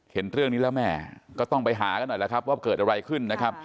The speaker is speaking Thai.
เห็นเรื่องนี้แล้วแม่ก็ต้องไปหากันหน่อยแล้วครับว่าเกิดอะไรขึ้นนะครับ